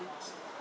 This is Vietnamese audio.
thay đổi địa điểm